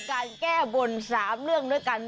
สายหนังอยู่ในวาดเป็นการแก้บน๓เรื่องด้วยกัน